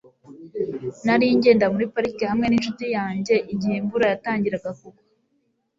nari ngenda muri parike hamwe ninshuti yanjye igihe imvura yatangiraga kugwa